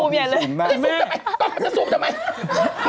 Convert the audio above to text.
มีอะไรเสริมค่ะ